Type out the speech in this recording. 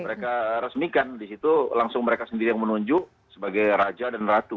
mereka resmikan di situ langsung mereka sendiri yang menunjuk sebagai raja dan ratu